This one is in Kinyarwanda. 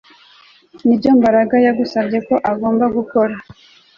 Nibyo Mbaraga yagusabye ko ugomba gukora